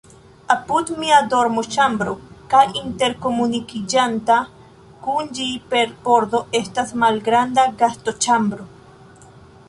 Apud mia dormoĉambro kaj interkomunikiĝanta kun ĝi per pordo estas malgranda gastoĉambro.